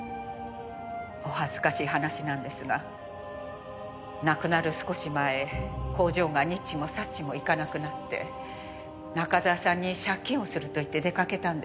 お恥ずかしい話なんですが亡くなる少し前工場がにっちもさっちもいかなくなって中沢さんに借金をすると言って出かけたんです。